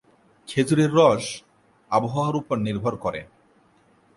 খেজুরের রস আবহাওয়ার উপর নির্ভর করে।